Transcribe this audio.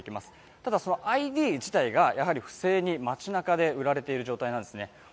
ただ、ＩＤ自体が不正に街なかで売られている状態なんですね。